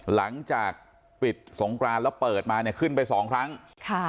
หลังจากปิดสงกรานแล้วเปิดมาเนี่ยขึ้นไปสองครั้งค่ะ